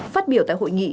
phát biểu tại hội nghị